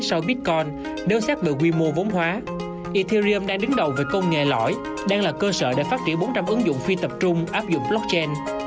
sau bitcoin nếu xét về quy mô vốn hóa ethirim đang đứng đầu về công nghệ lõi đang là cơ sở để phát triển bốn trăm linh ứng dụng phi tập trung áp dụng blockchain